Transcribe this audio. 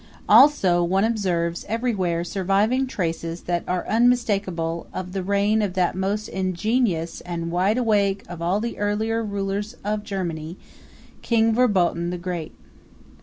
Also, one observes everywhere surviving traces that are unmistakable of the reign of that most ingenious and wideawake of all the earlier rulers of Germany, King Verboten the Great.